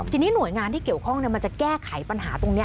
ทีนี้หน่วยงานที่เกี่ยวข้องมันจะแก้ไขปัญหาตรงนี้